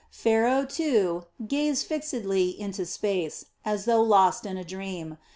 Pharaoh, too, gazed fixedly into space, as though lost in a dream.